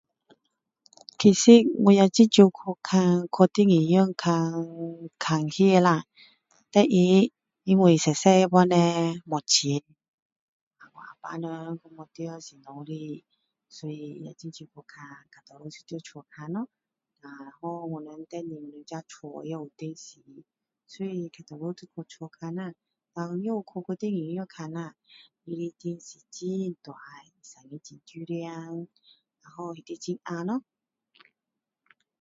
其实我也很少去看去电影院看看戏啦第一因为小小那时候啦没有钱dan我啊爸人没有在身边所以比较多在家里看咯啊然后第二我们自己家也有电视所以比较多都在家看呐dan也有去电影院看啦它的电视很大声音很大声然后里面很暗咯